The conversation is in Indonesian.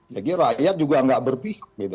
jadi rakyat juga nggak berpihak gitu